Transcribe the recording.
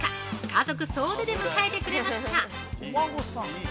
家族総出で迎えてくれました！